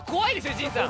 陣さん。